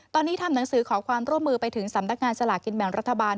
ตอนนี้ทำหนังสือขอความร่วมมือไปถึงสำนักงานสลากินแบ่งรัฐบาล